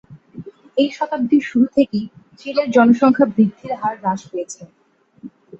এই শতাব্দীর শুরু থেকেই চীনের জনসংখ্যা বৃদ্ধির হার হ্রাস পেয়েছে।